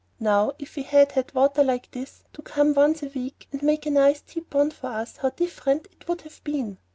Now, if we had had water like this to come once a week, and make a nice deep pond for us, how different it would have been!"